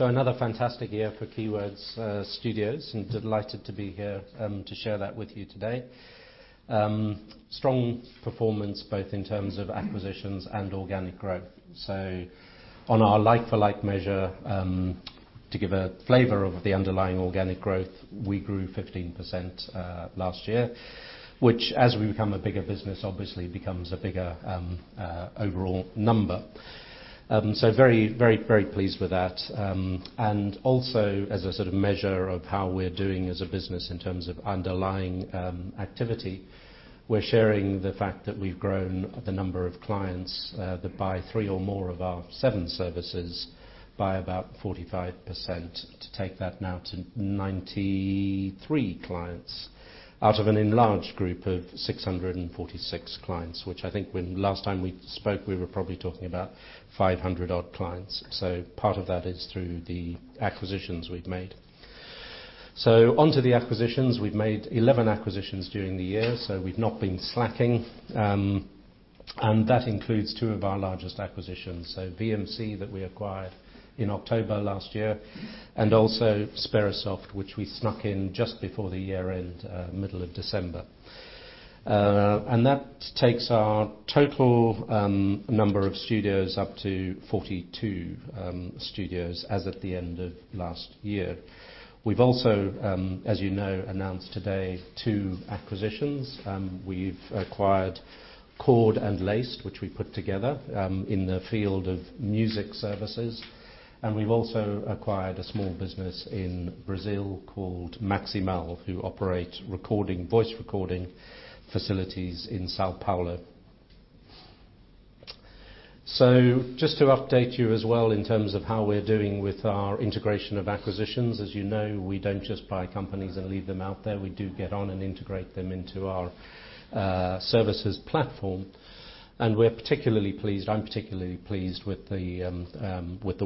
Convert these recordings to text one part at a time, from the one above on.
Another fantastic year for Keywords Studios, delighted to be here to share that with you today. Strong performance both in terms of acquisitions and organic growth. On our like-for-like measure, to give a flavor of the underlying organic growth, we grew 15% last year, which as we become a bigger business, obviously becomes a bigger overall number. Very pleased with that. Also as a sort of measure of how we're doing as a business in terms of underlying activity, we're sharing the fact that we've grown the number of clients that buy three or more of our seven services by about 45% to take that now to 93 clients out of an enlarged group of 646 clients. Which I think last time we spoke, we were probably talking about 500 odd clients. Part of that is through the acquisitions we've made. On to the acquisitions. We've made 11 acquisitions during the year, so we've not been slacking. That includes two of our largest acquisitions. VMC that we acquired in October last year, and also Sperasoft, which we snuck in just before the year-end, middle of December. That takes our total number of studios up to 42 studios as at the end of last year. We've also, as you know, announced today two acquisitions. We've acquired Cord and Laced, which we put together in the field of music services. We've also acquired a small business in Brazil called Maximal, who operate voice recording facilities in São Paulo. Just to update you as well in terms of how we're doing with our integration of acquisitions. As you know, we don't just buy companies and leave them out there. We do get on and integrate them into our services platform. We're particularly pleased, I'm particularly pleased with the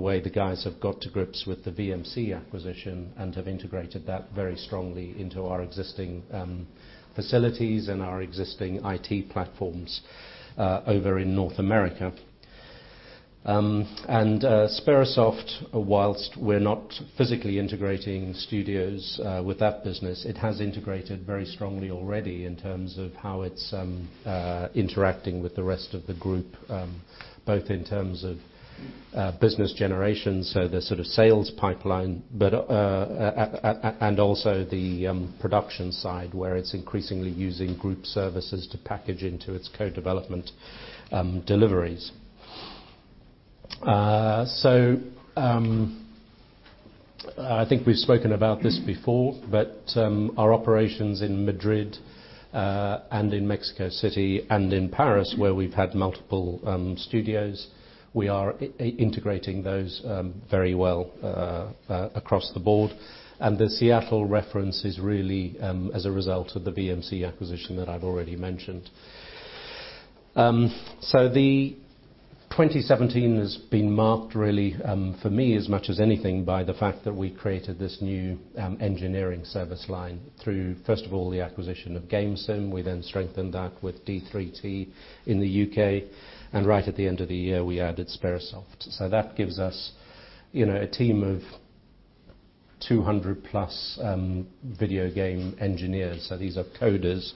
way the guys have got to grips with the VMC acquisition and have integrated that very strongly into our existing facilities and our existing IT platforms over in North America. Sperasoft, whilst we're not physically integrating studios with that business, it has integrated very strongly already in terms of how it's interacting with the rest of the group, both in terms of business generation, so the sort of sales pipeline, and also the production side, where it's increasingly using group services to package into its co-development deliveries. I think we've spoken about this before, but our operations in Madrid and in Mexico City and in Paris, where we've had multiple studios, we are integrating those very well across the board. The Seattle reference is really as a result of the VMC acquisition that I've already mentioned. The 2017 has been marked really for me as much as anything by the fact that we created this new engineering service line through, first of all, the acquisition of GameSim. We then strengthened that with d3t in the U.K., and right at the end of the year, we added Sperasoft. That gives us a team of 200-plus video game engineers. These are coders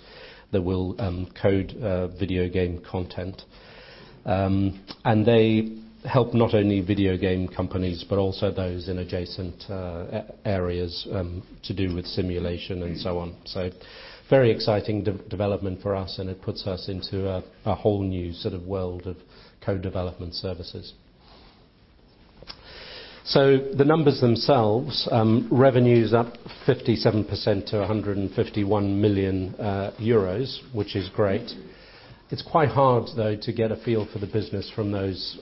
that will code video game content. They help not only video game companies, but also those in adjacent areas to do with simulation and so on. Very exciting development for us, and it puts us into a whole new sort of world of co-development services. The numbers themselves, revenues up 57% to 151 million euros, which is great. It's quite hard though to get a feel for the business from those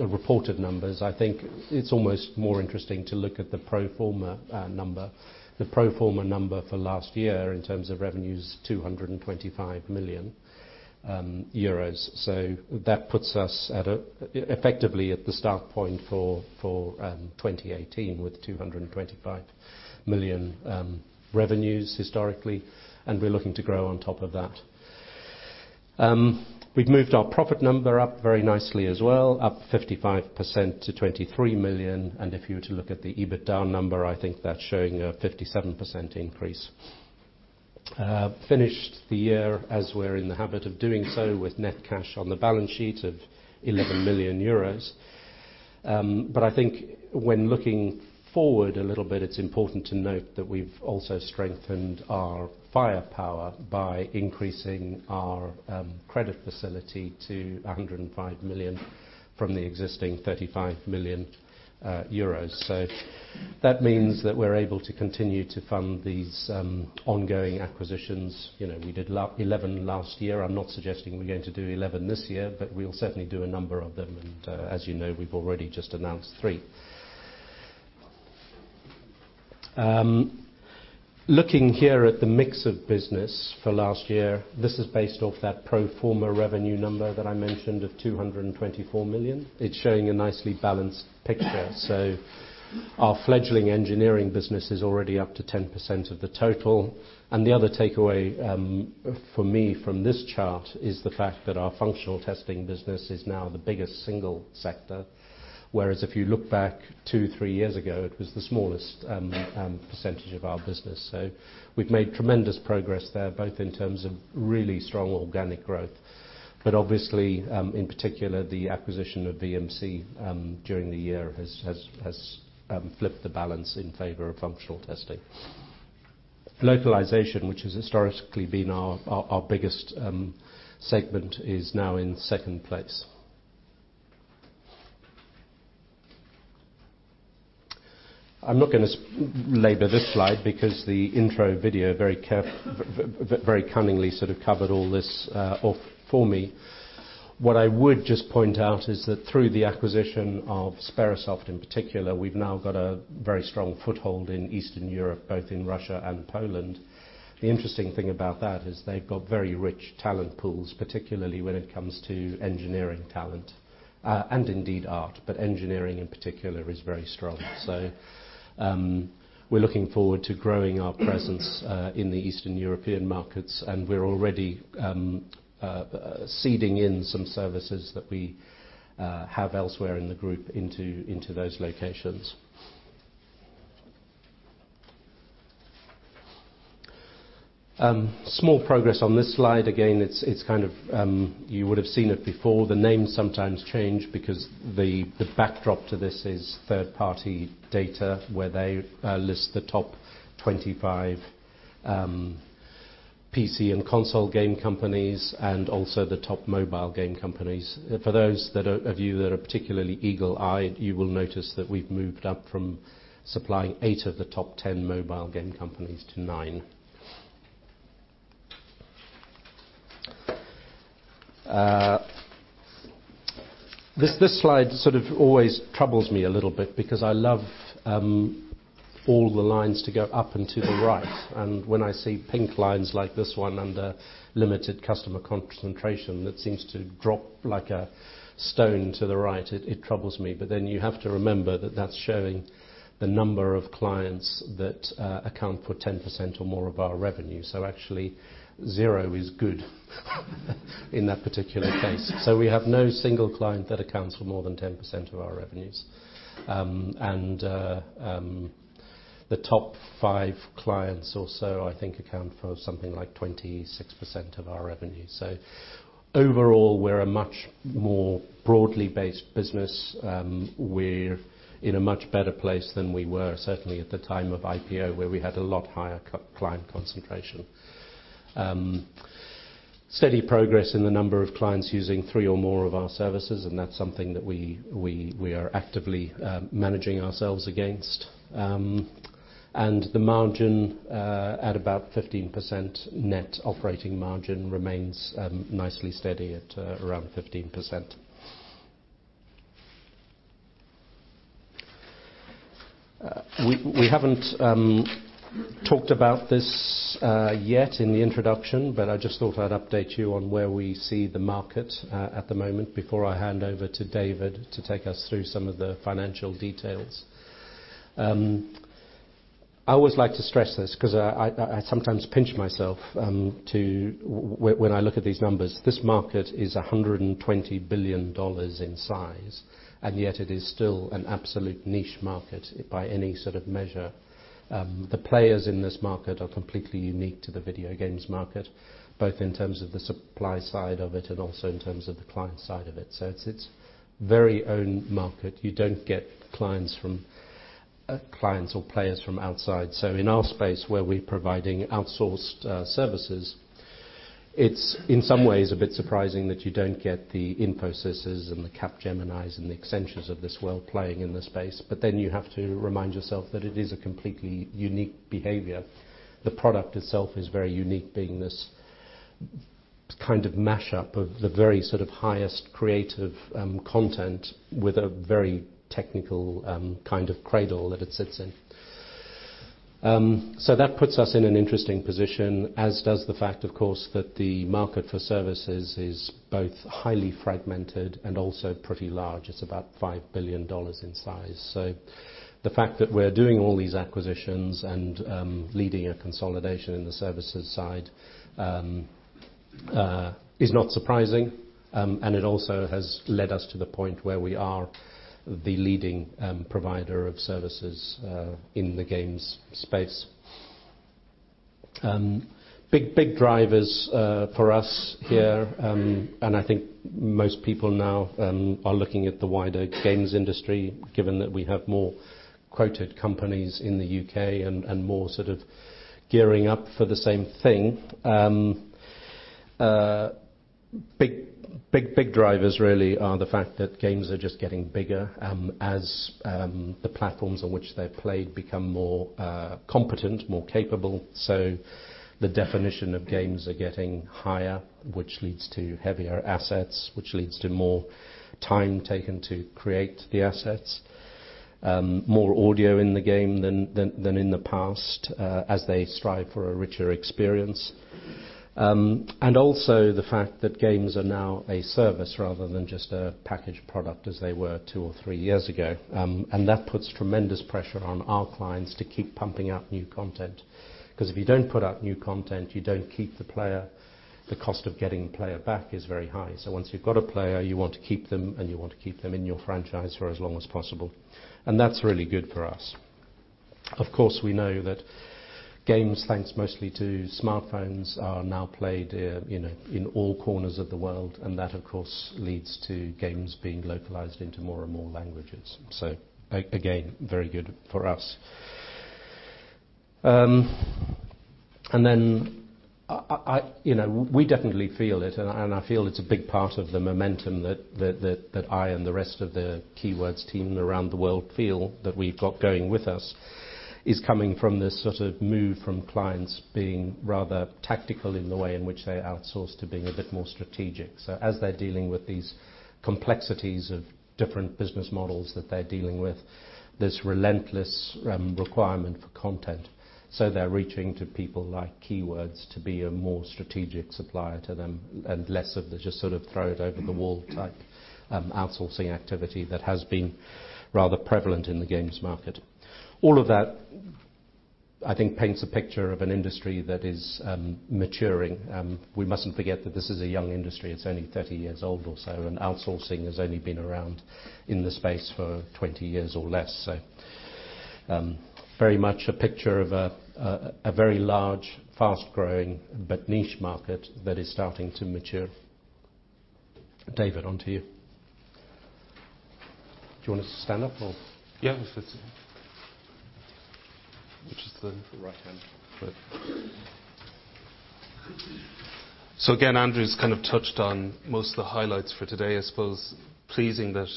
reported numbers. I think it's almost more interesting to look at the pro forma number. The pro forma number for last year in terms of revenue is 225 million euros. That puts us effectively at the start point for 2018 with 225 million revenues historically, and we're looking to grow on top of that. We've moved our profit number up very nicely as well, up 55% to 23 million. If you were to look at the EBITDA number, I think that's showing a 57% increase. Finished the year as we're in the habit of doing so with net cash on the balance sheet of 11 million euros. I think when looking forward a little bit, it's important to note that we've also strengthened our firepower by increasing our credit facility to 105 million from the existing 35 million euros. That means that we're able to continue to fund these ongoing acquisitions. We did 11 last year. I'm not suggesting we're going to do 11 this year, but we'll certainly do a number of them. As you know, we've already just announced three. Looking here at the mix of business for last year, this is based off that pro forma revenue number that I mentioned of 224 million. It's showing a nicely balanced picture. Our fledgling engineering business is already up to 10% of the total. The other takeaway for me from this chart is the fact that our functional testing business is now the biggest single sector, whereas if you look back two, three years ago, it was the smallest percentage of our business. We've made tremendous progress there, both in terms of really strong organic growth, but obviously, in particular, the acquisition of VMC during the year has flipped the balance in favor of functional testing. Localization, which has historically been our biggest segment, is now in second place. I'm not going to labor this slide because the intro video very cunningly sort of covered all this off for me. What I would just point out is that through the acquisition of Sperasoft in particular, we've now got a very strong foothold in Eastern Europe, both in Russia and Poland. The interesting thing about that is they've got very rich talent pools, particularly when it comes to engineering talent and indeed art, but engineering in particular is very strong. We're looking forward to growing our presence in the Eastern European markets, and we're already seeding in some services that we have elsewhere in the group into those locations. Small progress on this slide. Again, you would have seen it before. The names sometimes change because the backdrop to this is third-party data where they list the top 25 PC and console game companies and also the top mobile game companies. For those of you that are particularly eagle-eyed, you will notice that we've moved up from supplying eight of the top 10 mobile game companies to nine. This slide sort of always troubles me a little bit because I love all the lines to go up and to the right. When I see pink lines like this one under limited customer concentration that seems to drop like a stone to the right, it troubles me. You have to remember that that's showing the number of clients that account for 10% or more of our revenue. Actually, zero is good in that particular case. We have no single client that accounts for more than 10% of our revenues. The top five clients or so I think account for something like 26% of our revenue. Overall, we're a much more broadly based business. We're in a much better place than we were certainly at the time of IPO, where we had a lot higher client concentration. Steady progress in the number of clients using three or more of our services, that's something that we are actively managing ourselves against. The margin at about 15% net operating margin remains nicely steady at around 15%. We haven't talked about this yet in the introduction, I just thought I'd update you on where we see the market at the moment before I hand over to David to take us through some of the financial details. I always like to stress this because I sometimes pinch myself when I look at these numbers. This market is EUR 120 billion in size, it is still an absolute niche market by any sort of measure. The players in this market are completely unique to the video games market, both in terms of the supply side of it and also in terms of the client side of it. It's its very own market. You don't get clients or players from outside. In our space where we're providing outsourced services, it's in some ways a bit surprising that you don't get the Infosys and the Capgeminis and the Accentures of this world playing in the space. You have to remind yourself that it is a completely unique behavior. The product itself is very unique, being this kind of mashup of the very sort of highest creative content with a very technical kind of cradle that it sits in. That puts us in an interesting position, as does the fact, of course, that the market for services is both highly fragmented and also pretty large. It's about EUR 5 billion in size. The fact that we're doing all these acquisitions and leading a consolidation in the services side is not surprising. It also has led us to the point where we are the leading provider of services in the games space. Big drivers for us here, I think most people now are looking at the wider games industry, given that we have more quoted companies in the U.K. and more sort of gearing up for the same thing. Big drivers really are the fact that games are just getting bigger as the platforms on which they're played become more competent, more capable. The definition of games are getting higher, which leads to heavier assets, which leads to more time taken to create the assets. More audio in the game than in the past as they strive for a richer experience. Also the fact that games are now a service rather than just a packaged product as they were two or three years ago. That puts tremendous pressure on our clients to keep pumping out new content, because if you don't put out new content, you don't keep the player. The cost of getting the player back is very high. Once you've got a player, you want to keep them, and you want to keep them in your franchise for as long as possible. That's really good for us. Of course, we know that games, thanks mostly to smartphones, are now played in all corners of the world. That, of course, leads to games being localized into more and more languages. Again, very good for us. We definitely feel it, and I feel it's a big part of the momentum that I and the rest of the Keywords team around the world feel that we've got going with us is coming from this sort of move from clients being rather tactical in the way in which they outsource to being a bit more strategic. As they're dealing with these complexities of different business models that they're dealing with, this relentless requirement for content. They're reaching to people like Keywords to be a more strategic supplier to them, and less of the just sort of throw-it-over-the-wall type outsourcing activity that has been rather prevalent in the games market. All of that, I think, paints a picture of an industry that is maturing. We mustn't forget that this is a young industry. It's only 30 years old or so, and outsourcing has only been around in the space for 20 years or less. Very much a picture of a very large, fast-growing, but niche market that is starting to mature. David, on to you. Do you want to stand up, or Yeah. Which is the- The right-hand one. Again, Andrew's kind of touched on most of the highlights for today. I suppose pleasing that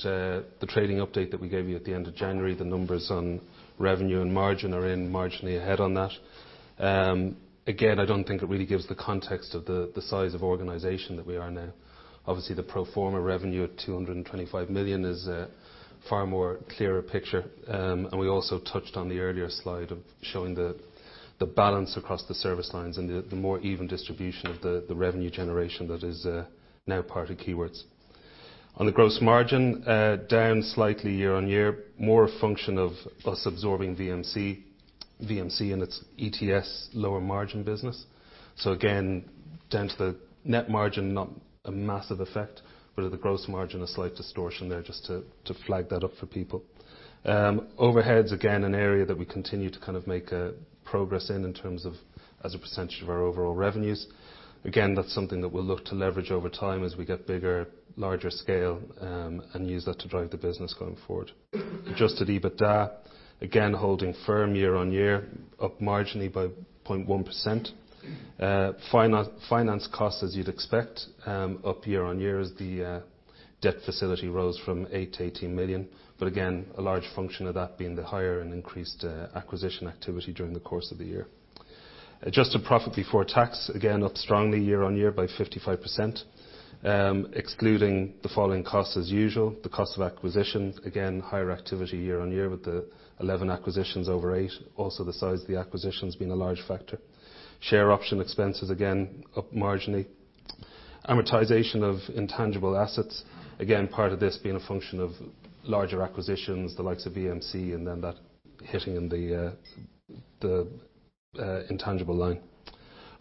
the trading update that we gave you at the end of January, the numbers on revenue and margin are in marginally ahead on that. Again, I don't think it really gives the context of the size of organization that we are now. Obviously, the pro forma revenue at 225 million is a far more clearer picture. We also touched on the earlier slide of showing the balance across the service lines and the more even distribution of the revenue generation that is now part of Keywords. On the gross margin, down slightly year-on-year, more a function of us absorbing VMC and its ETS lower margin business. Again, down to the net margin, not a massive effect, but at the gross margin, a slight distortion there just to flag that up for people. Overheads, again, an area that we continue to kind of make progress in terms of as a percentage of our overall revenues. Again, that's something that we'll look to leverage over time as we get bigger, larger scale, and use that to drive the business going forward. Adjusted EBITDA, again, holding firm year-on-year, up marginally by 0.1%. Finance costs, as you'd expect, up year-on-year as the debt facility rose from 8 million to 18 million. Again, a large function of that being the higher and increased acquisition activity during the course of the year. Adjusted profit before tax, again, up strongly year-on-year by 55%. Excluding the following costs as usual, the cost of acquisition, again, higher activity year-on-year with the 11 acquisitions over eight. Also, the size of the acquisitions being a large factor. Share option expenses, again, up marginally. Amortization of intangible assets, again, part of this being a function of larger acquisitions, the likes of VMC, and then that hitting in the intangible line.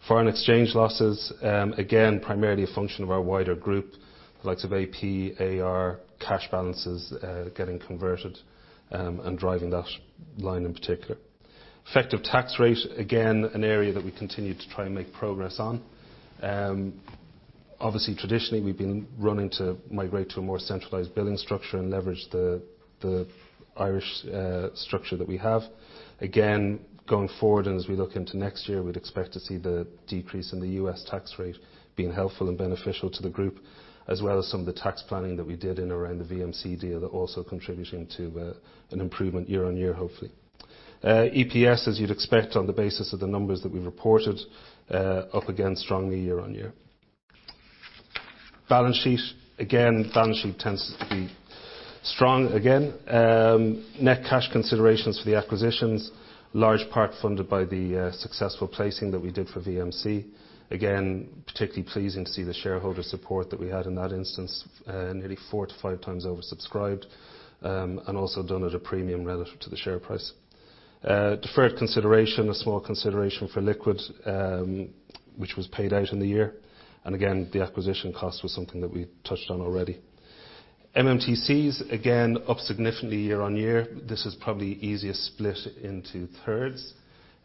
Foreign exchange losses, again, primarily a function of our wider group, the likes of AP, AR, cash balances getting converted, and driving that line in particular. Effective tax rate, again, an area that we continue to try and make progress on. Obviously, traditionally, we've been running to migrate to a more centralized billing structure and leverage the Irish structure that we have. Going forward and as we look into next year, we'd expect to see the decrease in the U.S. tax rate being helpful and beneficial to the group, as well as some of the tax planning that we did in around the VMC deal that also contributing to an improvement year-on-year, hopefully. EPS, as you'd expect on the basis of the numbers that we've reported, up again strongly year-on-year. Balance sheet. Balance sheet tends to be strong again. Net cash considerations for the acquisitions, large part funded by the successful placing that we did for VMC. Particularly pleasing to see the shareholder support that we had in that instance, nearly four to five times oversubscribed, and also done at a premium relative to the share price. Deferred consideration, a small consideration for Liquid, which was paid out in the year. The acquisition cost was something that we touched on already. MMTCs, up significantly year-on-year. This is probably easiest split into thirds.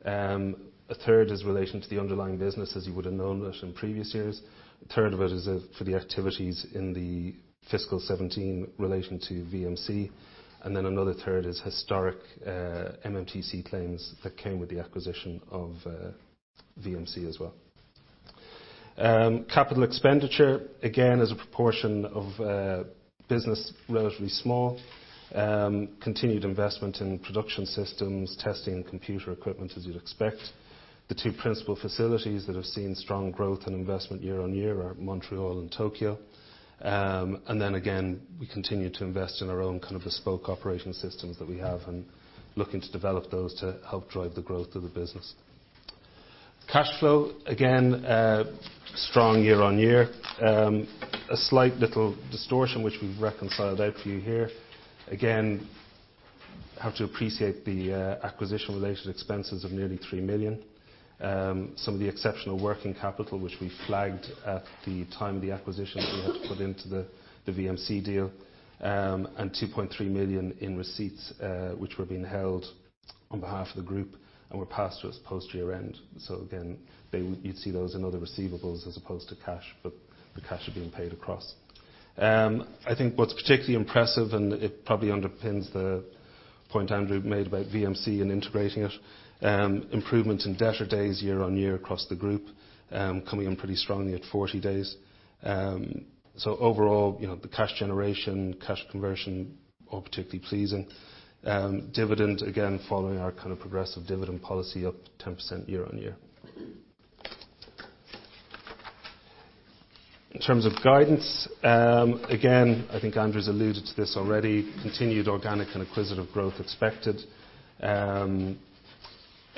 A third is relation to the underlying business, as you would have known that in previous years. A third of it is for the activities in the fiscal 2017 relation to VMC. Another third is historic MMTC claims that came with the acquisition of VMC as well. Capital expenditure, as a proportion of business, relatively small. Continued investment in production systems, testing, and computer equipment, as you'd expect. The two principal facilities that have seen strong growth and investment year-on-year are Montreal and Tokyo. We continue to invest in our own kind of bespoke operating systems that we have and looking to develop those to help drive the growth of the business. Cash flow, strong year-on-year. A slight little distortion, which we've reconciled out for you here. Have to appreciate the acquisition-related expenses of nearly 3 million. Some of the exceptional working capital, which we flagged at the time of the acquisition that we had to put into the VMC deal, and 2.3 million in receipts, which were being held on behalf of the group and were passed to us post year-end. You'd see those in other receivables as opposed to cash, but the cash are being paid across. I think what's particularly impressive, and it probably underpins the point Andrew made about VMC and integrating it, improvements in debtor days year-on-year across the group, coming in pretty strongly at 40 days. The cash generation, cash conversion, all particularly pleasing. Dividend, following our kind of progressive dividend policy up 10% year-on-year. In terms of guidance, I think Andrew's alluded to this already, continued organic and acquisitive growth expected.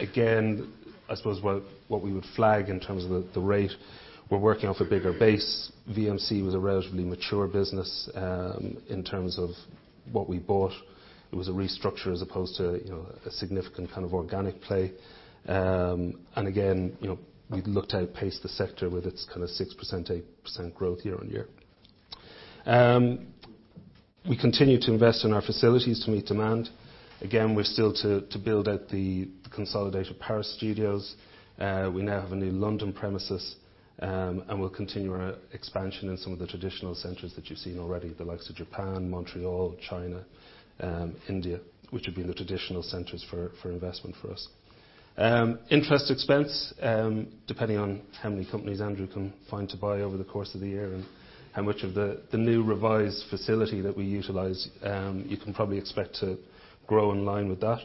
I suppose what we would flag in terms of the rate, we're working off a bigger base. VMC was a relatively mature business, in terms of what we bought. It was a restructure as opposed to a significant kind of organic play. We've looked to outpace the sector with its kind of 6%, 8% growth year-on-year. We continue to invest in our facilities to meet demand. We're still to build out the consolidated Paris studios. We now have a new London premises, and we'll continue our expansion in some of the traditional centers that you've seen already, the likes of Japan, Montreal, China, India, which would be the traditional centers for investment for us. Interest expense, depending on how many companies Andrew can find to buy over the course of the year and how much of the new revised facility that we utilize, you can probably expect to grow in line with that.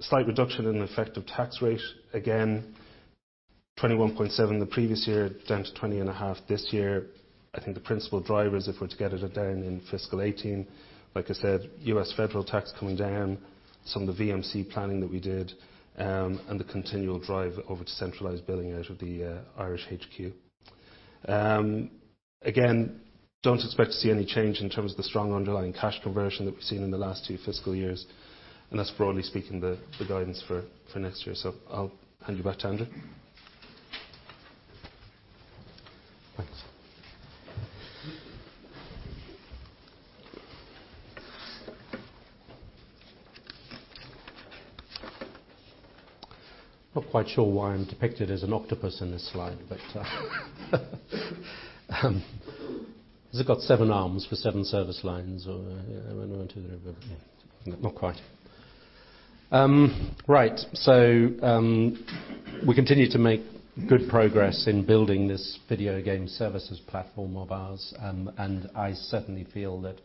Slight reduction in effective tax rate. 21.7% the previous year down to 20.5% this year. I think the principal drivers, if we're to get it down in fiscal 2018, like I said, U.S. federal tax coming down, some of the VMC planning that we did, and the continual drive over to centralized billing out of the Irish HQ. Don't expect to see any change in terms of the strong underlying cash conversion that we've seen in the last two fiscal years, and that's broadly speaking the guidance for next year. I'll hand you back to Andrew. Thanks. Not quite sure why I'm depicted as an octopus in this slide, has it got seven arms for seven service lines or Not quite. Right. We continue to make good progress in building this video game services platform of ours, I certainly feel that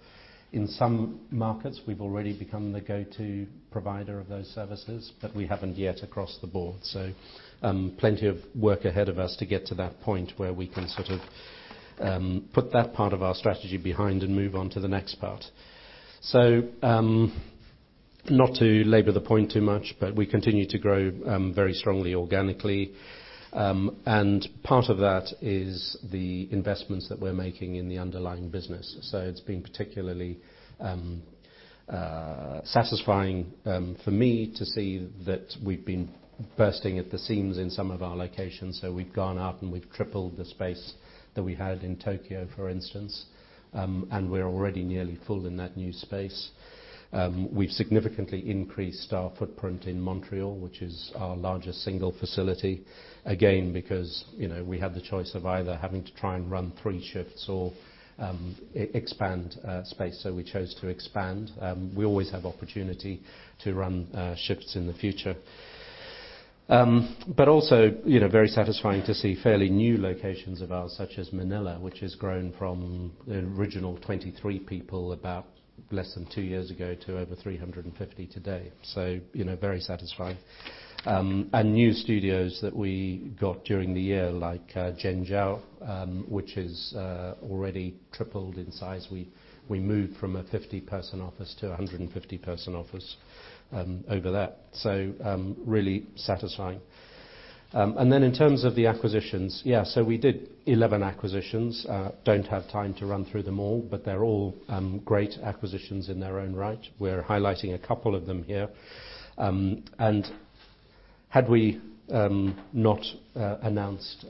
in some markets we've already become the go-to provider of those services, we haven't yet across the board. Plenty of work ahead of us to get to that point where we can sort of put that part of our strategy behind and move on to the next part. Not to labor the point too much, we continue to grow very strongly organically, part of that is the investments that we're making in the underlying business. It's been particularly satisfying for me to see that we've been bursting at the seams in some of our locations. We've gone out we've tripled the space that we had in Tokyo, for instance, we're already nearly full in that new space. We've significantly increased our footprint in Montreal, which is our largest single facility. Because we had the choice of either having to try and run three shifts or expand space. We chose to expand. We always have opportunity to run shifts in the future. Also very satisfying to see fairly new locations of ours, such as Manila, which has grown from the original 23 people about less than two years ago to over 350 today. Very satisfying. New studios that we got during the year, like Zhengzhou, which has already tripled in size. We moved from a 50-person office to 150-person office over there. Really satisfying. In terms of the acquisitions, we did 11 acquisitions. Don't have time to run through them all, they're all great acquisitions in their own right. We're highlighting a couple of them here. Had we not announced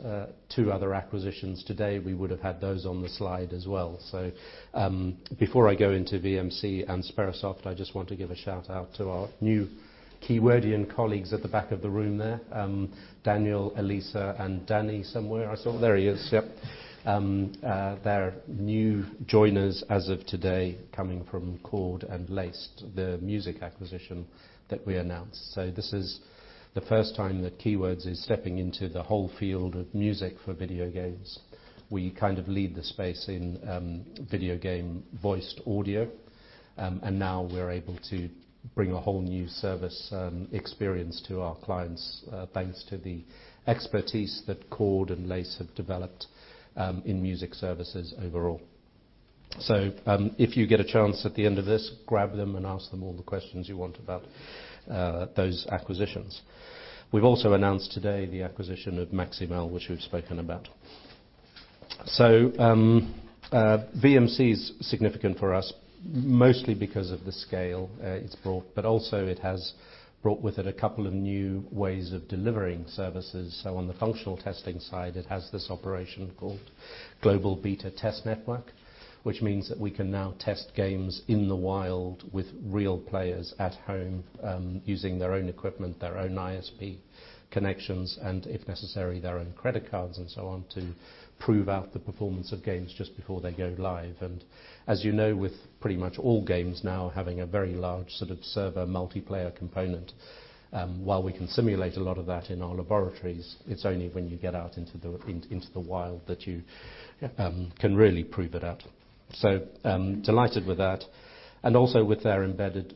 two other acquisitions today, we would have had those on the slide as well. Before I go into VMC and Sperasoft, I just want to give a shout-out to our new Keywordian colleagues at the back of the room there. Daniel, Elisa, and Danny somewhere. There he is, yep. They're new joiners as of today, coming from Cord and Laced, the music acquisition that we announced. This is the first time that Keywords is stepping into the whole field of music for video games. We kind of lead the space in video game voiced audio, and now we're able to bring a whole new service experience to our clients, thanks to the expertise that Cord and Laced have developed in music services overall. If you get a chance at the end of this, grab them and ask them all the questions you want about those acquisitions. We've also announced today the acquisition of Maximal, which we've spoken about. VMC is significant for us mostly because of the scale it's brought, but also it has brought with it a couple of new ways of delivering services. On the functional testing side, it has this operation called Global Beta Test Network, which means that we can now test games in the wild with real players at home using their own equipment, their own ISP connections, and if necessary, their own credit cards and so on, to prove out the performance of games just before they go live. As you know, with pretty much all games now having a very large sort of server multiplayer component, while we can simulate a lot of that in our laboratories, it's only when you get out into the wild that you can really prove it out. Delighted with that, and also with their embedded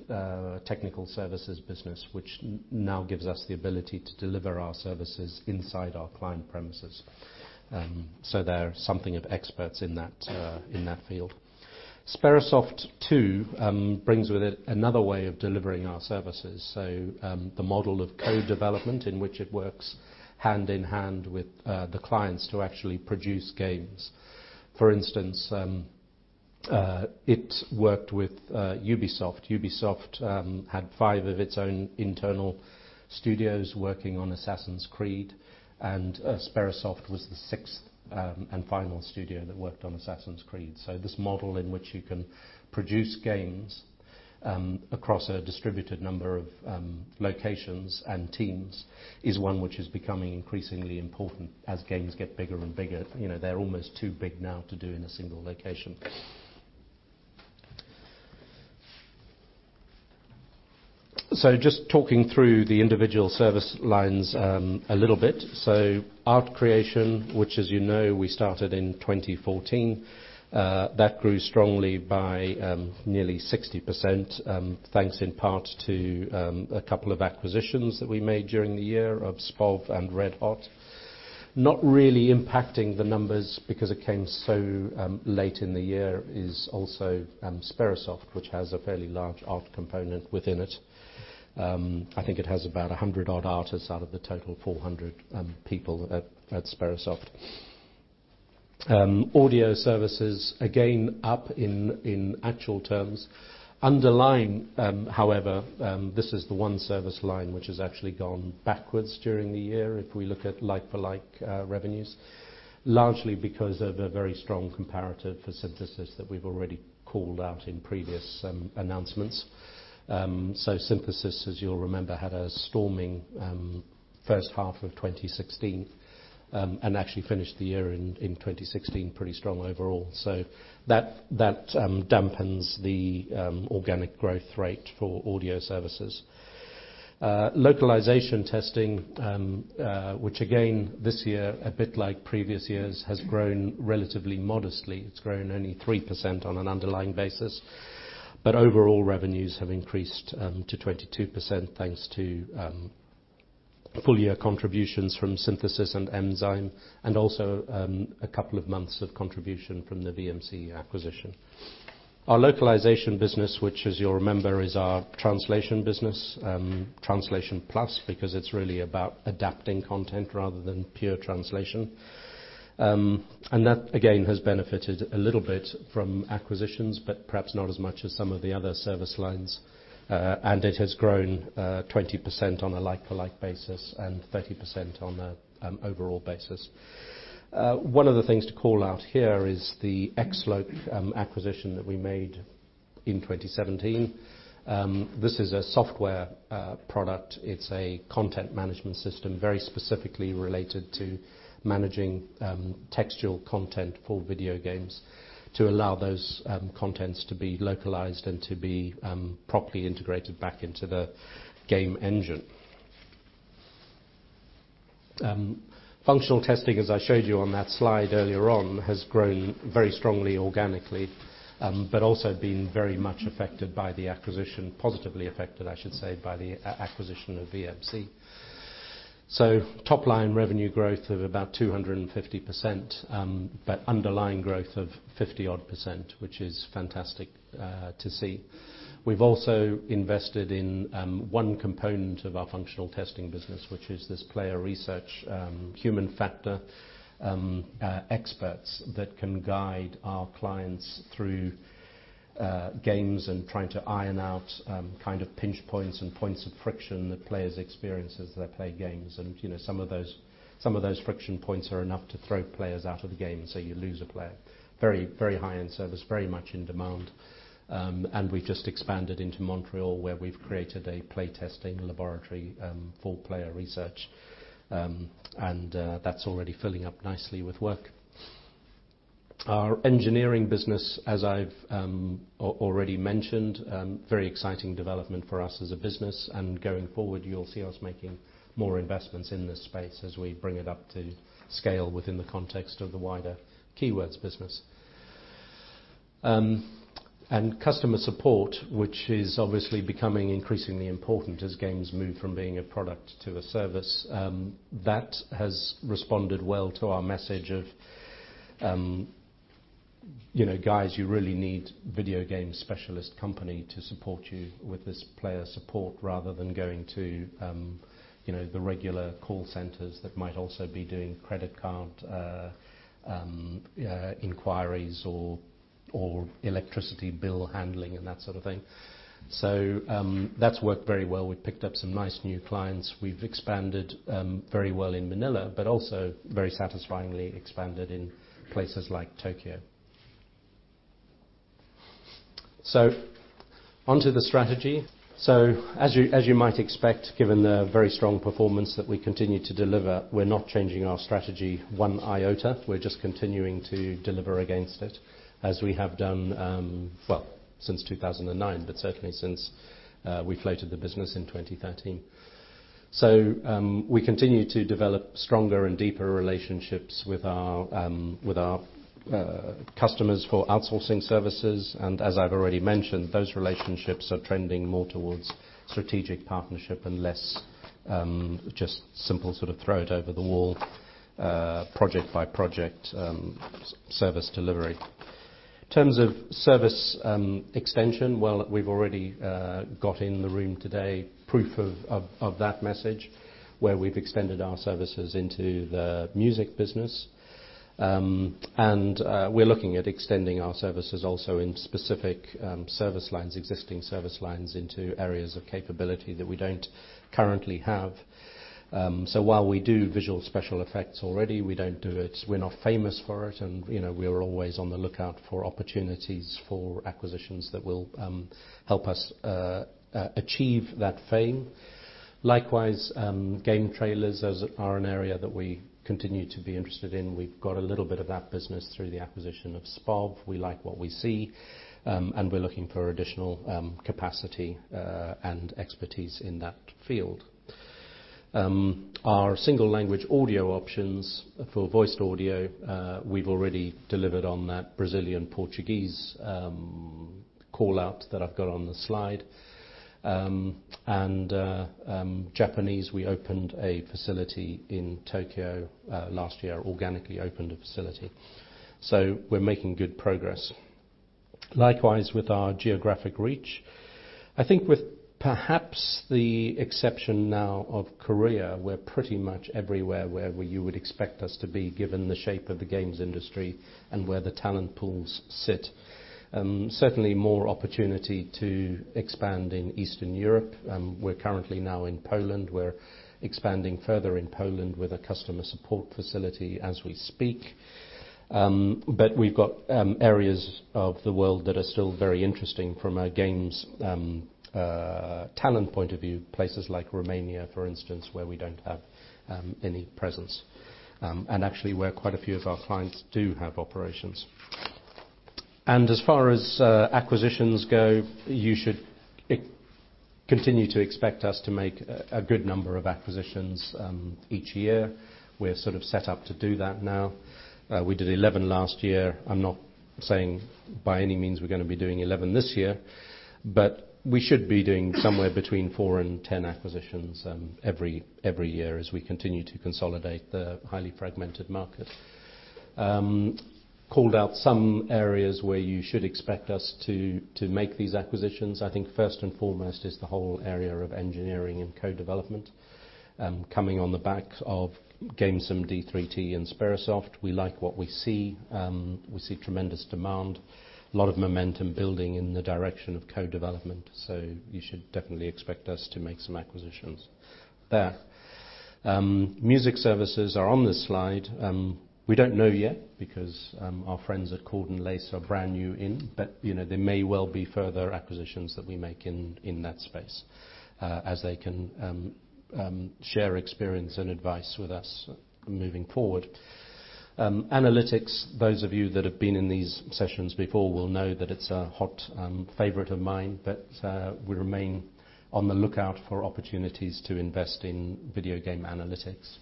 technical services business, which now gives us the ability to deliver our services inside our client premises. They're something of experts in that field. Sperasoft too brings with it another way of delivering our services. The model of co-development in which it works hand-in-hand with the clients to actually produce games. For instance, it worked with Ubisoft. Ubisoft had 5 of its own internal studios working on "Assassin's Creed," and Sperasoft was the sixth and final studio that worked on "Assassin's Creed." This model in which you can produce games across a distributed number of locations and teams is one which is becoming increasingly important as games get bigger and bigger. They're almost too big now to do in a single location. Just talking through the individual service lines a little bit. Art Creation, which as you know, we started in 2014, that grew strongly by nearly 60%, thanks in part to a couple of acquisitions that we made during the year of Spov and Red Hot. Not really impacting the numbers because it came so late in the year is also Sperasoft, which has a fairly large art component within it. I think it has about 100-odd artists out of the total 400 people at Sperasoft. Audio services, again, up in actual terms. Underlying, however, this is the one service line which has actually gone backwards during the year if we look at like-for-like revenues, largely because of a very strong comparative for Synthesis that we've already called out in previous announcements. Synthesis, as you'll remember, had a storming first half of 2016, and actually finished the year in 2016 pretty strong overall. That dampens the organic growth rate for audio services. Localization testing, which again, this year, a bit like previous years, has grown relatively modestly. It's grown only 3% on an underlying basis, but overall revenues have increased to 22% thanks to full-year contributions from Synthesis and Enzyme, and also a couple of months of contribution from the VMC acquisition. Our localization business, which as you'll remember, is our translation business, Translation Plus, because it's really about adapting content rather than pure translation. That again has benefited a little bit from acquisitions, but perhaps not as much as some of the other service lines. It has grown 20% on a like-for-like basis and 30% on an overall basis. One of the things to call out here is the XLOC acquisition that we made in 2017. This is a software product. It's a content management system very specifically related to managing textual content for video games to allow those contents to be localized and to be properly integrated back into the game engine. Functional testing, as I showed you on that slide earlier on, has grown very strongly organically, but also been very much affected by the acquisition, positively affected, I should say, by the acquisition of VMC. Top-line revenue growth of about 250%, but underlying growth of 50-odd percent, which is fantastic to see. We've also invested in one component of our functional testing business, which is this player research human factor experts that can guide our clients through games and trying to iron out kind of pinch points and points of friction that players experience as they play games. Some of those friction points are enough to throw players out of the game, so you lose a player. Very high-end service, very much in demand. We've just expanded into Montreal, where we've created a play testing laboratory for player research, and that's already filling up nicely with work. Our engineering business, as I've already mentioned, very exciting development for us as a business, and going forward, you'll see us making more investments in this space as we bring it up to scale within the context of the wider Keywords business. Customer support, which is obviously becoming increasingly important as games move from being a product to a service. That has responded well to our message of, "Guys, you really need a video game specialist company to support you with this player support, rather than going to the regular call centers that might also be doing credit card inquiries or electricity bill handling, and that sort of thing." That's worked very well. We've picked up some nice new clients. We've expanded very well in Manila, but also very satisfyingly expanded in places like Tokyo. Onto the strategy. As you might expect, given the very strong performance that we continue to deliver, we're not changing our strategy one iota. We're just continuing to deliver against it, as we have done since 2009, but certainly since we floated the business in 2013. We continue to develop stronger and deeper relationships with our customers for outsourcing services. As I've already mentioned, those relationships are trending more towards strategic partnership and less just simple sort of throw-it-over-the-wall project-by-project service delivery. In terms of service extension, well, we've already got in the room today proof of that message, where we've extended our services into the music business. We're looking at extending our services also in specific existing service lines into areas of capability that we don't currently have. While we do visual special effects already, we're not famous for it. We are always on the lookout for opportunities for acquisitions that will help us achieve that fame. Likewise, game trailers are an area that we continue to be interested in. We've got a little bit of that business through the acquisition of Spov. We like what we see. We're looking for additional capacity and expertise in that field. Our single language audio options for voiced audio, we've already delivered on that Brazilian Portuguese call-out that I've got on the slide. Japanese, we opened a facility in Tokyo last year, organically opened a facility. We're making good progress. Likewise with our geographic reach. I think with perhaps the exception now of Korea, we're pretty much everywhere where you would expect us to be given the shape of the games industry and where the talent pools sit. Certainly more opportunity to expand in Eastern Europe. We're currently now in Poland. We're expanding further in Poland with a customer support facility as we speak. We've got areas of the world that are still very interesting from a games talent point of view, places like Romania, for instance, where we don't have any presence, and actually where quite a few of our clients do have operations. As far as acquisitions go, you should continue to expect us to make a good number of acquisitions each year. We're sort of set up to do that now. We did 11 last year. I'm not saying by any means we're going to be doing 11 this year, but we should be doing somewhere between four and 10 acquisitions every year as we continue to consolidate the highly fragmented market. Called out some areas where you should expect us to make these acquisitions. I think first and foremost is the whole area of engineering and co-development. Coming on the back of GameSim, d3t, and Sperasoft, we like what we see. We see tremendous demand, a lot of momentum building in the direction of co-development. You should definitely expect us to make some acquisitions there. Music services are on this slide. We don't know yet because our friends at Cord and Laced are brand new in, but there may well be further acquisitions that we make in that space as they can share experience and advice with us moving forward. Analytics, those of you that have been in these sessions before will know that it's a hot favorite of mine. We remain on the lookout for opportunities to invest in video game analytics.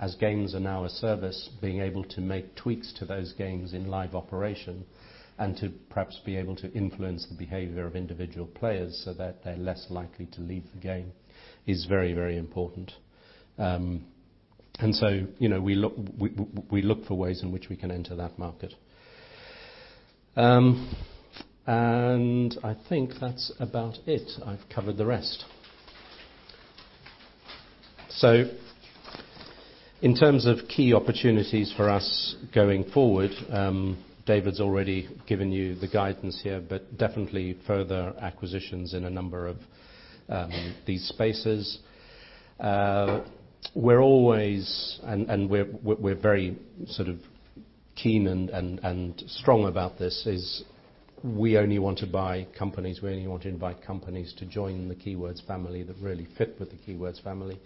As games are now a service, being able to make tweaks to those games in live operation and to perhaps be able to influence the behavior of individual players so that they're less likely to leave the game is very important. We look for ways in which we can enter that market. I think that's about it. I've covered the rest. In terms of key opportunities for us going forward, David's already given you the guidance here, but definitely further acquisitions in a number of these spaces. We're always, and we're very keen and strong about this, is we only want to buy companies to join the Keywords family that really fit with the Keywords family.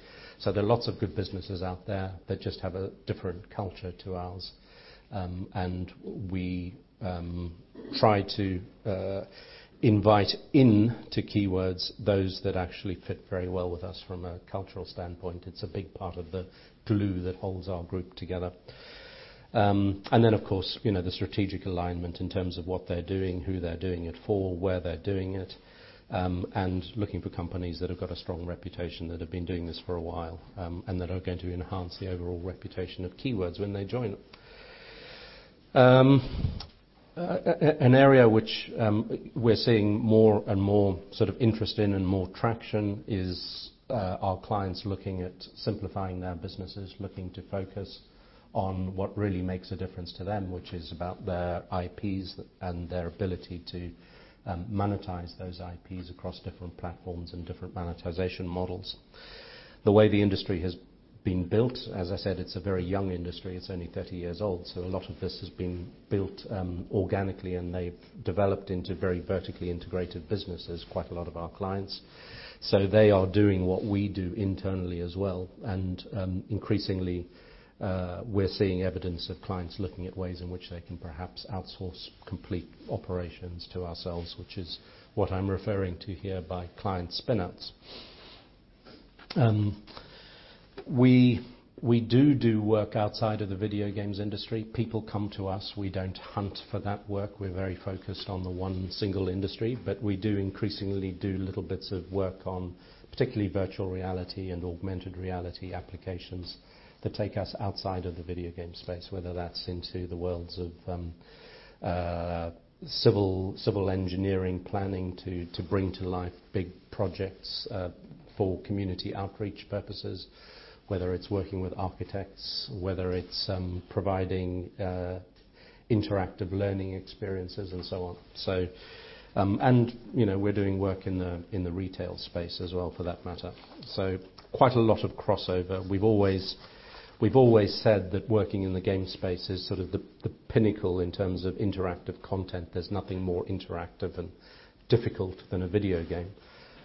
There are lots of good businesses out there that just have a different culture to ours. We try to invite into Keywords those that actually fit very well with us from a cultural standpoint. It's a big part of the glue that holds our group together. Of course, the strategic alignment in terms of what they're doing, who they're doing it for, where they're doing it, and looking for companies that have got a strong reputation, that have been doing this for a while, and that are going to enhance the overall reputation of Keywords when they join. An area which we're seeing more and more interest in and more traction is our clients looking at simplifying their businesses, looking to focus on what really makes a difference to them, which is about their IPs and their ability to monetize those IPs across different platforms and different monetization models. The way the industry has been built, as I said, it's a very young industry. It's only 30 years old, a lot of this has been built organically and they've developed into very vertically integrated businesses, quite a lot of our clients. They are doing what we do internally as well, and increasingly we're seeing evidence of clients looking at ways in which they can perhaps outsource complete operations to ourselves, which is what I'm referring to here by client spin-outs. We do work outside of the video games industry. People come to us; we don't hunt for that work. We're very focused on the one single industry. We do increasingly do little bits of work on particularly virtual reality and augmented reality applications that take us outside of the video game space, whether that's into the worlds of civil engineering, planning to bring to life big projects for community outreach purposes, whether it's working with architects, whether it's providing interactive learning experiences and so on. We're doing work in the retail space as well for that matter. Quite a lot of crossover. We've always said that working in the game space is sort of the pinnacle in terms of interactive content. There's nothing more interactive and difficult than a video game.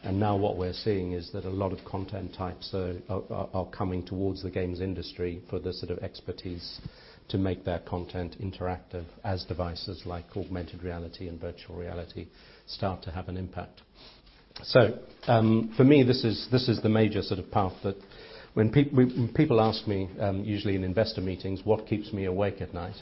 Now what we're seeing is that a lot of content types are coming towards the games industry for the sort of expertise to make their content interactive as devices like augmented reality and virtual reality start to have an impact. For me, this is the major path that when people ask me, usually in investor meetings, what keeps me awake at night,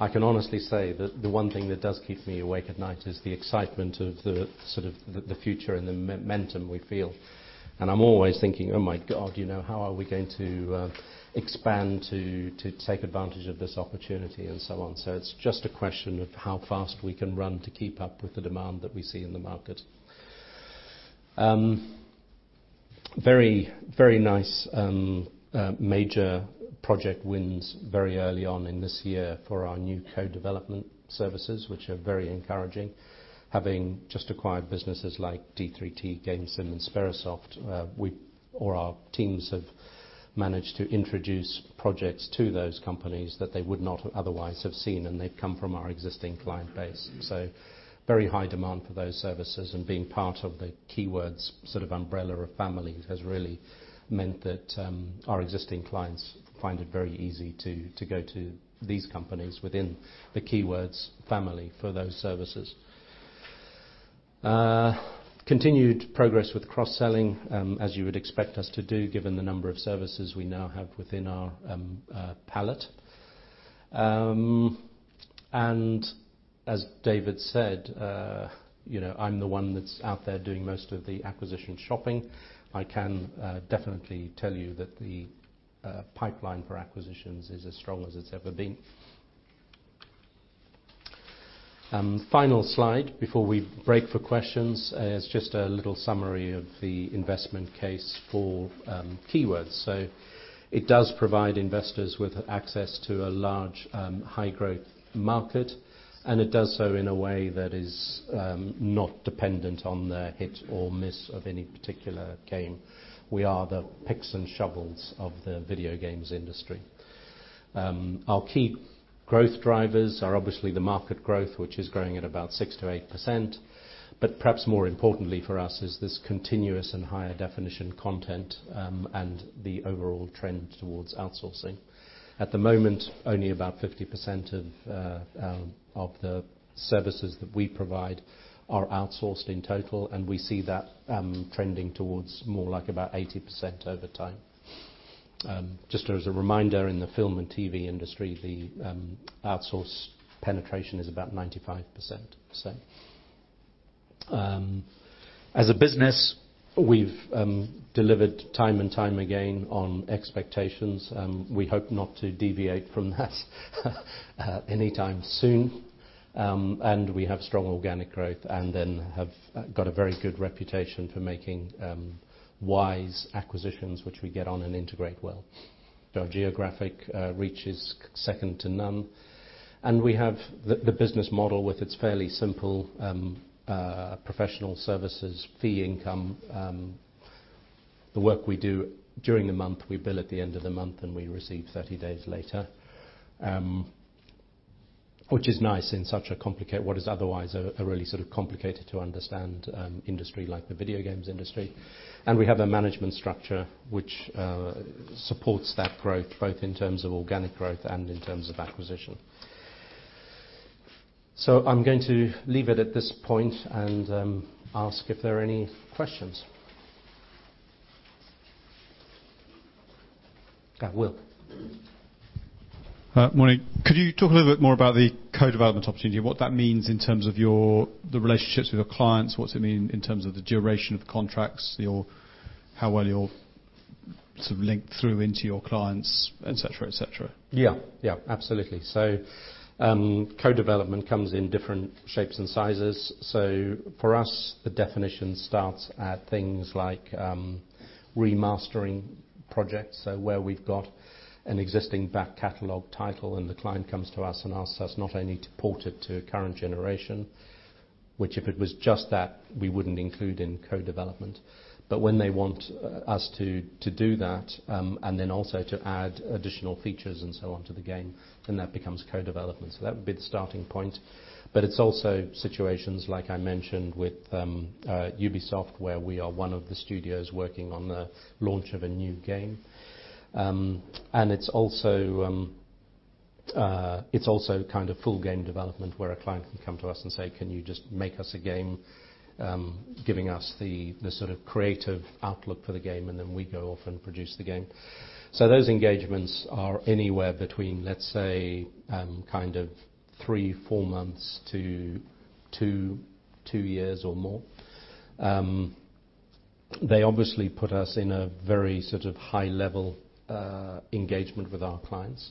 I can honestly say that the one thing that does keep me awake at night is the excitement of the future and the momentum we feel. I'm always thinking, "Oh my God, how are we going to expand to take advantage of this opportunity," and so on. It's just a question of how fast we can run to keep up with the demand that we see in the market. Very nice major project wins very early on in this year for our new co-development services, which are very encouraging. Having just acquired businesses like d3t, GameSim, and Sperasoft, our teams have managed to introduce projects to those companies that they would not otherwise have seen, and they've come from our existing client base. Very high demand for those services and being part of the Keywords umbrella or family has really meant that our existing clients find it very easy to go to these companies within the Keywords family for those services. Continued progress with cross-selling, as you would expect us to do, given the number of services we now have within our palette. As David said, I'm the one that's out there doing most of the acquisition shopping. I can definitely tell you that the pipeline for acquisitions is as strong as it's ever been. Final slide before we break for questions is just a little summary of the investment case for Keywords. It does provide investors with access to a large high-growth market, and it does so in a way that is not dependent on the hit or miss of any particular game. We are the picks and shovels of the video games industry. Our key growth drivers are obviously the market growth, which is growing at about 6%-8%, but perhaps more importantly for us is this continuous and higher definition content and the overall trend towards outsourcing. At the moment, only about 50% of the services that we provide are outsourced in total, and we see that trending towards more like about 80% over time. Just as a reminder, in the film and TV industry, the outsource penetration is about 95%. As a business, we've delivered time and time again on expectations. We hope not to deviate from that anytime soon. We have strong organic growth and then have got a very good reputation for making wise acquisitions, which we get on and integrate well. Our geographic reach is second to none, and we have the business model with its fairly simple professional services fee income. The work we do during the month, we bill at the end of the month, and we receive 30 days later, which is nice in what is otherwise a really complicated-to-understand industry like the video games industry. We have a management structure which supports that growth, both in terms of organic growth and in terms of acquisition. I'm going to leave it at this point and ask if there are any questions Go ahead, Will. Morning. Could you talk a little bit more about the co-development opportunity and what that means in terms of the relationships with your clients? What does it mean in terms of the duration of contracts? How well you're sort of linked through into your clients, et cetera? Yeah. Absolutely. Co-development comes in different shapes and sizes. For us, the definition starts at things like remastering projects. Where we've got an existing back catalog title and the client comes to us and asks us not only to port it to a current generation, which if it was just that, we wouldn't include in co-development. When they want us to do that, and then also to add additional features and so on to the game, that becomes co-development. That would be the starting point. It's also situations like I mentioned with Ubisoft, where we are one of the studios working on the launch of a new game. It's also kind of full game development where a client can come to us and say, "Can you just make us a game?" Giving us the sort of creative outlook for the game, then we go off and produce the game. Those engagements are anywhere between, let's say, kind of three, four months to two years or more. They obviously put us in a very sort of high-level engagement with our clients.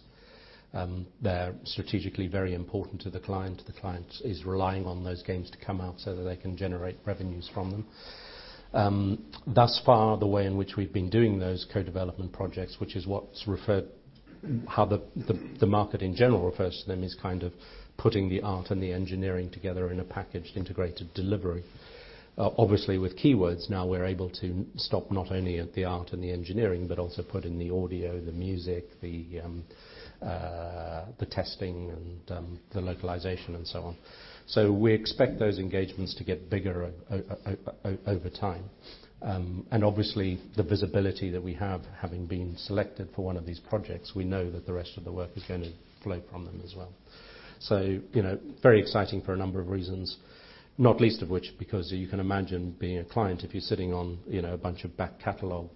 They're strategically very important to the client. The client is relying on those games to come out so that they can generate revenues from them. Thus far, the way in which we've been doing those co-development projects, which is how the market in general refers to them, is kind of putting the art and the engineering together in a packaged, integrated delivery. Obviously, with Keywords, now we're able to stop not only at the art and the engineering, but also put in the audio, the music, the testing, and the localization and so on. We expect those engagements to get bigger over time. Obviously, the visibility that we have, having been selected for one of these projects, we know that the rest of the work is going to flow from them as well. Very exciting for a number of reasons, not least of which because you can imagine being a client if you're sitting on a bunch of back catalog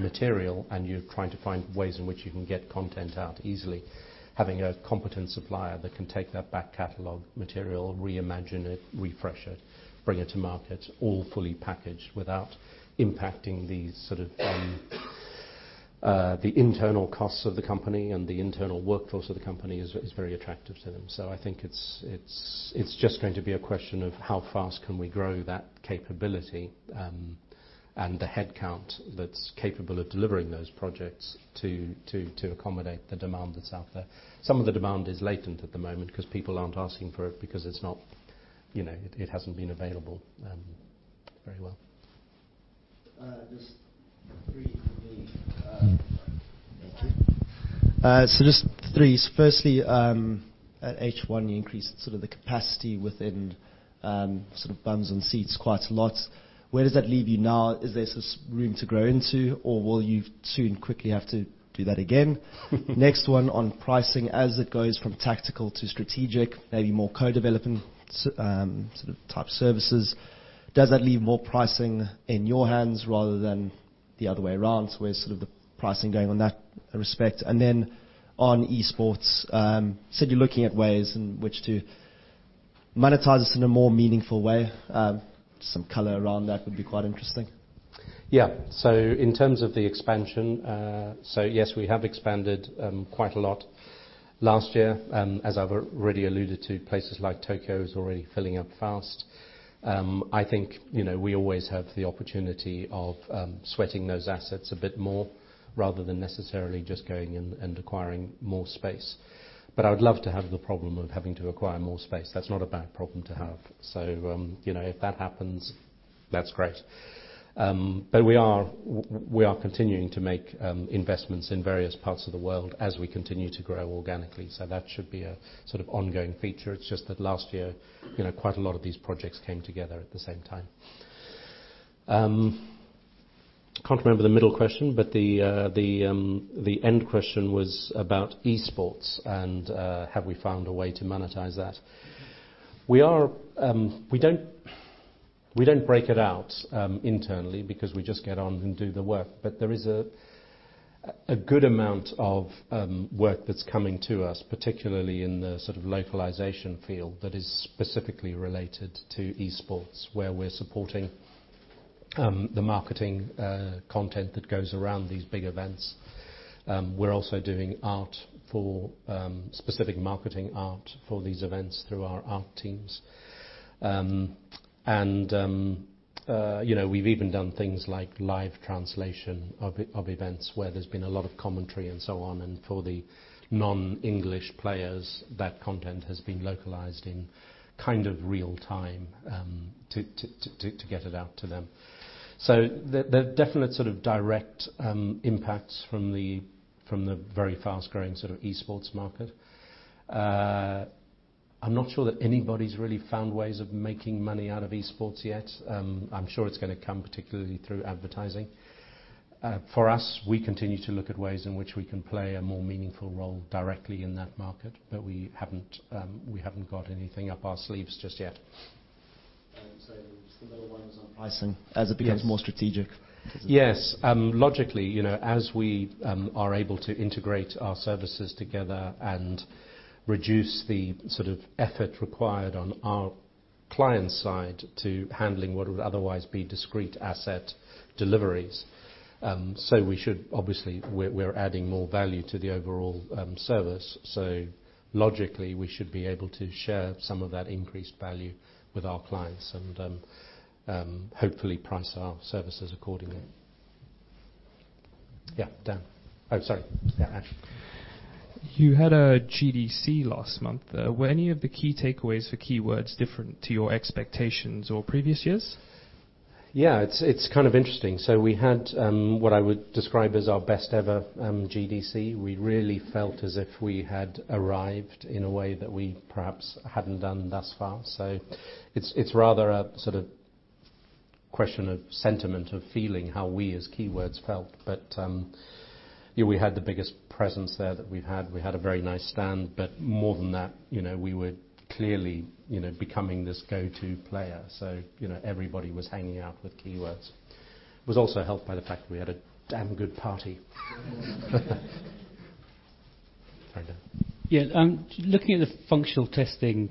material and you're trying to find ways in which you can get content out easily. Having a competent supplier that can take that back catalog material, reimagine it, refresh it, bring it to market, all fully packaged without impacting the internal costs of the company and the internal workforce of the company is very attractive to them. I think it's just going to be a question of how fast can we grow that capability and the headcount that's capable of delivering those projects to accommodate the demand that's out there. Some of the demand is latent at the moment because people aren't asking for it because it hasn't been available very well. Just three from me. Thank you. Just three. Firstly, at H1, you increased sort of the capacity within sort of bums on seats quite a lot. Where does that leave you now? Is there sort of room to grow into, or will you soon quickly have to do that again? Next one on pricing as it goes from tactical to strategic, maybe more co-development sort of type services. Does that leave more pricing in your hands rather than the other way around? Where's sort of the pricing going on that respect? Then on esports, you said you're looking at ways in which to monetize this in a more meaningful way. Some color around that would be quite interesting. Yeah. In terms of the expansion, yes, we have expanded quite a lot last year. As I've already alluded to, places like Tokyo is already filling up fast. I think we always have the opportunity of sweating those assets a bit more rather than necessarily just going and acquiring more space. I would love to have the problem of having to acquire more space. That's not a bad problem to have. If that happens, that's great. We are continuing to make investments in various parts of the world as we continue to grow organically. That should be a sort of ongoing feature. It's just that last year, quite a lot of these projects came together at the same time. Can't remember the middle question, the end question was about esports and have we found a way to monetize that. We don't break it out internally because we just get on and do the work. There is a good amount of work that's coming to us, particularly in the sort of localization field that is specifically related to esports, where we're supporting the marketing content that goes around these big events. We're also doing specific marketing art for these events through our art teams. We've even done things like live translation of events where there's been a lot of commentary and so on. For the non-English players, that content has been localized in kind of real time to get it out to them. There are definite sort of direct impacts from the very fast-growing sort of esports market. I'm not sure that anybody's really found ways of making money out of esports yet. I'm sure it's going to come particularly through advertising. For us, we continue to look at ways in which we can play a more meaningful role directly in that market, but we haven't got anything up our sleeves just yet. just the middle ones on pricing as Yes becomes more strategic. Yes. Logically, as we are able to integrate our services together and reduce the effort required on our clients' side to handling what would otherwise be discrete asset deliveries. We should, obviously, we're adding more value to the overall service. Logically, we should be able to share some of that increased value with our clients, and hopefully price our services accordingly. Yeah, Dan. Oh, sorry. Yeah, Ash. You had a GDC last month. Were any of the key takeaways for Keywords different to your expectations or previous years? It's kind of interesting. We had what I would describe as our best ever GDC. We really felt as if we had arrived in a way that we perhaps hadn't done thus far. It's rather a question of sentiment, of feeling, how we, as Keywords felt. Yeah, we had the biggest presence there that we've had. We had a very nice stand, but more than that, we were clearly becoming this go-to player. Everybody was hanging out with Keywords. It was also helped by the fact that we had a damn good party. Sorry, Dan. Looking at the functional testing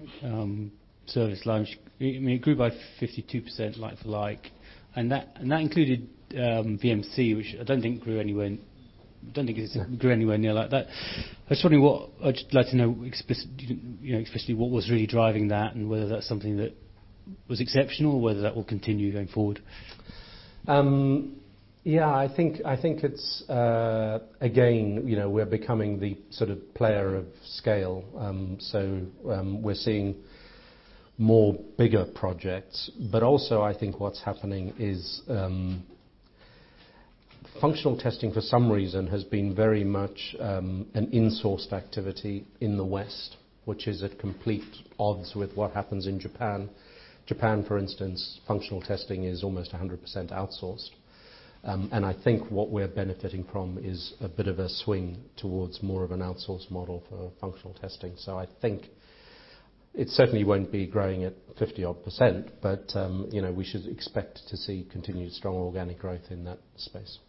service launch, it grew by 52% like to like, and that included VMC, which I don't think grew anywhere near like that. I just wanted to know explicitly what was really driving that and whether that's something that was exceptional, or whether that will continue going forward. I think it's, again, we're becoming the player of scale. We're seeing more bigger projects. Also, I think what's happening is functional testing, for some reason, has been very much an insourced activity in the West, which is at complete odds with what happens in Japan. Japan, for instance, functional testing is almost 100% outsourced. I think what we're benefiting from is a bit of a swing towards more of an outsourced model for functional testing. I think it certainly won't be growing at 50-odd percent, but we should expect to see continued strong organic growth in that space,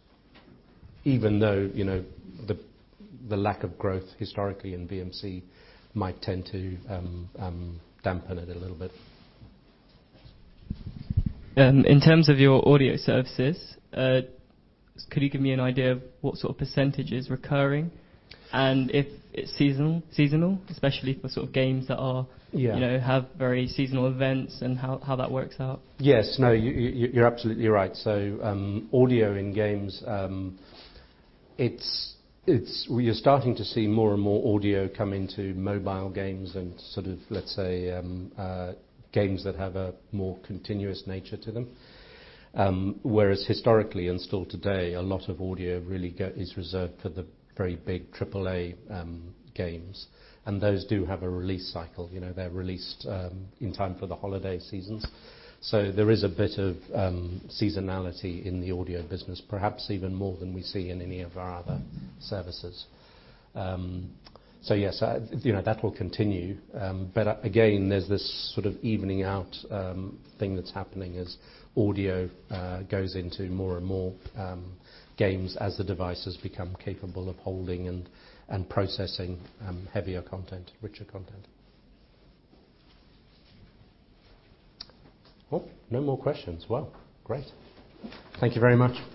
even though the lack of growth historically in VMC might tend to dampen it a little bit. In terms of your audio services, could you give me an idea of what sort of percentage is recurring? If it's seasonal, especially for sort of games that are- Yeah have very seasonal events and how that works out? Yes. No, you're absolutely right. Audio in games, you're starting to see more and more audio come into mobile games and let's say games that have a more continuous nature to them. Whereas historically and still today, a lot of audio really is reserved for the very big AAA games, and those do have a release cycle. They're released in time for the holiday seasons. There is a bit of seasonality in the audio business, perhaps even more than we see in any of our other services. Yes, that will continue. Again, there's this sort of evening out thing that's happening as audio goes into more and more games as the devices become capable of holding and processing heavier content, richer content. Oh, no more questions. Well, great. Thank you very much.